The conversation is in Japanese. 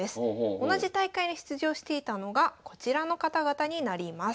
同じ大会に出場していたのがこちらの方々になります。